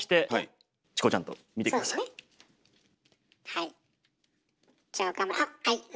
はい。